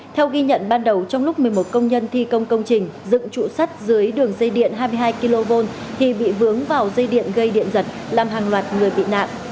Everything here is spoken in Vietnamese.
theo ghi nhận ban đầu trong lúc một mươi một công nhân thi công công trình dựng trụ sắt dưới đường dây điện hai mươi hai kv thì bị vướng vào dây điện gây điện giật làm hàng loạt người bị nạn